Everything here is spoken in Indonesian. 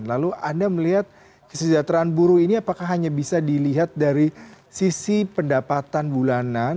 lalu anda melihat kesejahteraan buruh ini apakah hanya bisa dilihat dari sisi pendapatan bulanan